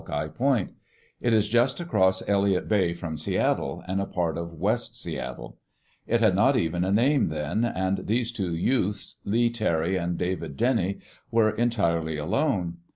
It is just across Elliot Bay from Seattle, and a part of West Seattle, It had not even a name then, and these two youths, Lee Terry and David Denny, were entirely alone.